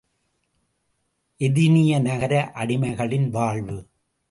எதினிய நகர அடிமைகளின் வாழ்வு...